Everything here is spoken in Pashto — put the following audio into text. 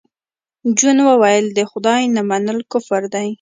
جون وویل د خدای نه منل کفر دی